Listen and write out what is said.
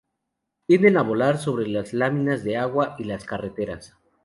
Tienden a volar sobre las láminas de agua y las carreteras.